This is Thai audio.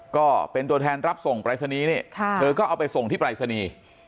ก็เป็นตัวแทนรับส่งปรายศนีย์นี่เธอก็เอาไปส่งที่ปรายศนีย์